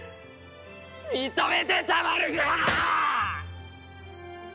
認めてたまるかあーっ！